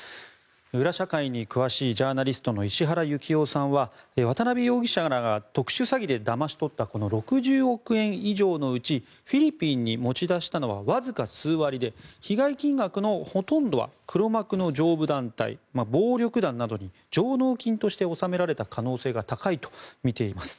裏社会に詳しいジャーナリストの石原行雄さんは渡邉容疑者らが特殊詐欺でだまし取った６０億円以上のうちフィリピンに持ち出したのはわずか数割で被害金額のほとんどは黒幕の上部団体暴力団などに上納金として納められた可能性が高いとみています。